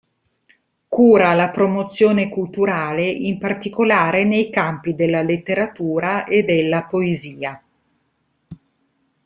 Cura la promozione culturale, in particolare nei campi della letteratura e della poesia.